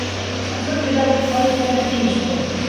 Ысын педагог шулай эшләргә тейеш тә.